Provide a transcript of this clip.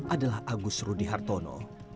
adalah agus rudi hartono